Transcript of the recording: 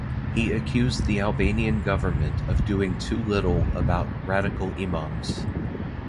He accused the Albanian government of doing too little about radical imams.